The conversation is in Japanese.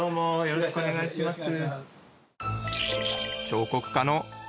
よろしくお願いします。